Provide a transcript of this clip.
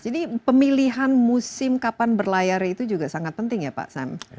jadi pemilihan musim kapan berlayar itu juga sangat penting ya pak sam